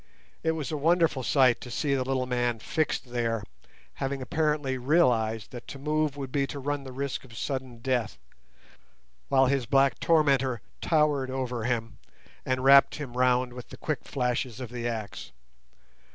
It was a wonderful sight to see the little man fixed there, having apparently realised that to move would be to run the risk of sudden death, while his black tormentor towered over him, and wrapped him round with the quick flashes of the axe.